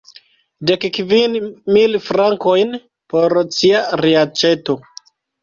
Dek kvin mil frankojn por cia reaĉeto.